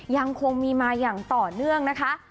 ยังคงมีมาอย่างต่อเนื่องนะคะ